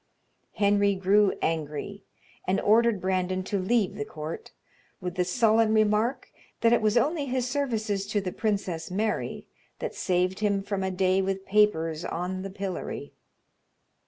Henry grew angry and ordered Brandon to leave the court, with the sullen remark that it was only his services to the Princess Mary that saved him from a day with papers on the pillory.